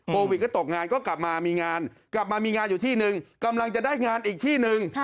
โควิดก็ตกงานก็กลับมามีงานกลับมามีงานอยู่ที่นึงกำลังจะได้งานอีกที่หนึ่ง